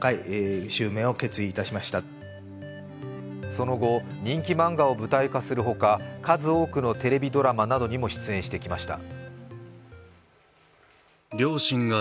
その後、人気漫画を舞台化するほか、数多くのテレビドラマなどにも出演してきました。